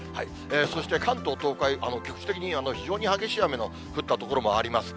そして関東、東海、局地的に非常に激しい雨の降った所もあります。